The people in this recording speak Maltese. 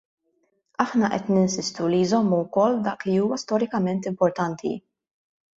Aħna qed ninsistu li jżommu wkoll dak li huwa storikament importanti.